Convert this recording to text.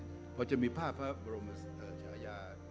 เพราะจะมีภาพพระบรมชายา